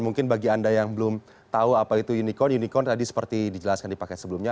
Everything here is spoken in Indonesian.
mungkin bagi anda yang belum tahu apa itu unicorn unicorn tadi seperti dijelaskan di paket sebelumnya